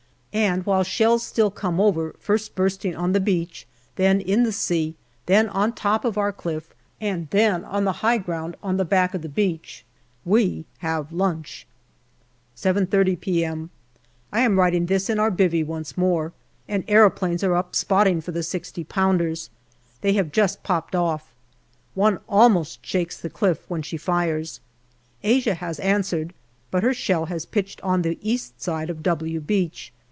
And while shells still come over, first bursting on the beach, then in the JUNE 137 sea, then on the top of our cliff, and then on the high ground on the back of the beach, we have lunch. 7.30 p.m. I am writing this in our " bivvy " once more, and aero planes are up spotting for the 6o pounders. They have just pooped off. One almost shakes the cliff when she fires. Asia has answered, but the shell has pitched on the east side of " W " Beach.